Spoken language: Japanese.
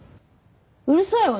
うるさいわ！